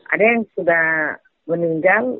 ada yang sudah meninggal